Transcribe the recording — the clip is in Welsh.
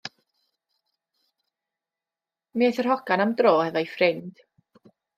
Mi aeth yr hogan am dro hefo'i ffrind.